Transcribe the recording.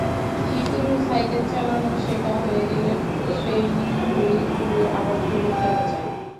শিশুর সাইকেল চালানো শেখা হয়ে গেলে ট্রেইনিং হুইলগুলো আবার খুলে ফেলা যায়।